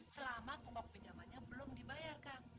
selama pokok pinjamannya bunganya seratus ribu kan